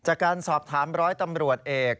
จากการสอบถามร้อยตำรวจเอก